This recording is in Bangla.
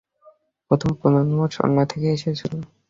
প্রথম প্রজন্ম সর্না থেকে এসেছিল।